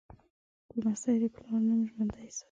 لمسی د پلار نوم ژوندی ساتي.